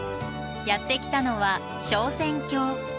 やって来たのは昇仙峡。